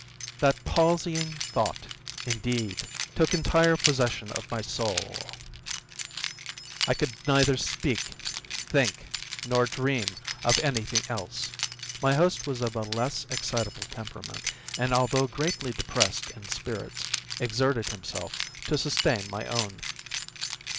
That palsying thought, indeed, took entire possession of my soul. I could neither speak, think, nor dream of any thing else. My host was of a less excitable temperament, and, although greatly depressed in spirits, exerted himself to sustain my own.